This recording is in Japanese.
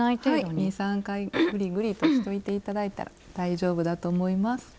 はい２３回ぐりぐりとしといて頂いたら大丈夫だと思います。